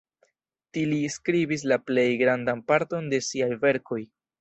Ti li skribis la plej grandan parton de siaj verkoj.